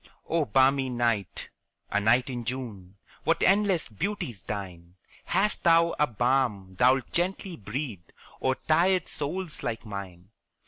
Oh, balmy night a night in June What endless beauties thine! Hast thou a balm thou'lt gently breathe O'er tired souls like mine?